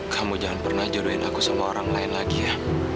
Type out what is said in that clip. kamu jangan pernah jodohin aku sama orang lain lagi ya